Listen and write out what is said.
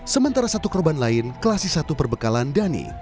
sementara satu korban lain kelasis satu perbekalan dhani